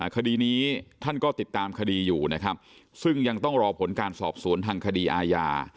คดีนี้ท่านก็ติดตามคดีอยู่นะครับซึ่งยังต้องรอผลการสอบสวนทางคดีอาญา